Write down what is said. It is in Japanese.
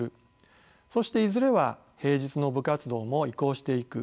そしていずれは平日の部活動も移行していく。